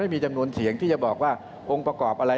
ไม่มีจำนวนเสียงที่จะบอกว่าองค์ประกอบอะไร